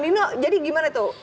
nino jadi gimana tuh